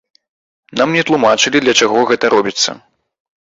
Нам не тлумачылі, для чаго гэта робіцца.